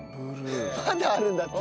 まだあるんだって。